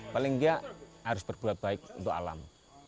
paling dia harus berbuat baik untuk alam